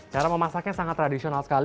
cara memasaknya sangat tradisional sekali